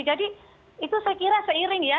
jadi itu saya kira seiring ya